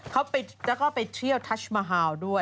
เขาก็ไปเที่ยวทัชมาฮาวด้วย